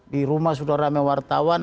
di rumah sudah ramai wartawan